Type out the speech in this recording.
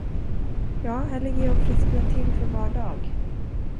Ja, här ligger jag och frisknar till för var dag.